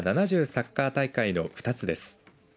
サッカー大会の２つです。